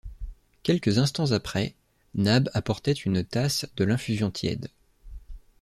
Quelques instants après, Nab apportait une tasse de l’infusion tiède